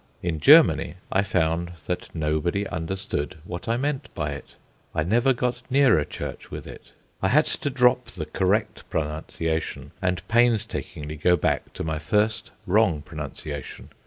In Germany I found that nobody understood what I meant by it. I never got near a church with it. I had to drop the correct pronunciation, and painstakingly go back to my first wrong pronunciation.